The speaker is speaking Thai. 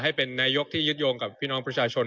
ให้เป็นนายกที่ยึดโยงกับพี่น้องประชาชน